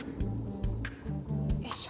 よいしょ。